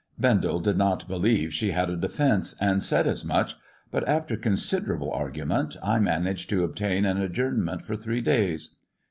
Bendel did not believe she had a defence, and said as much, but after considerable argument I managed to obtain an adjournment for three days.